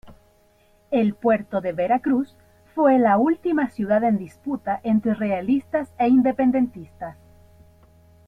El puerto de Veracruz fue la última ciudad en disputa entre realistas e independentistas.